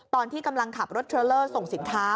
ตอนที่กำลังขับรถเทรลเลอร์ส่งสินค้า